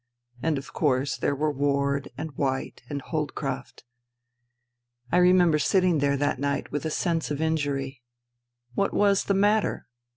And, of course, there were Ward and White and Holdcroft. I remember sitting there that night with a sense of injury. What was the matter